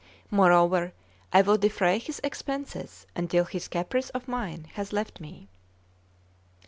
Moreover, I will defray his expenses until his caprice of mine has left me."